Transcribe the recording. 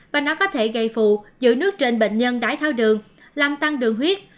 và nó có thể gây phụ giữ nước trên bệnh nhân đái thao đường làm tăng đường huyết